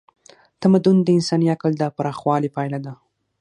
تمدن د انساني عقل د پراخوالي پایله ده.